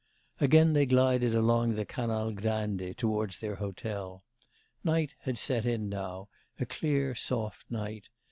Again they glided along the Canal Grande towards their hotel. Night had set in now, a clear, soft night.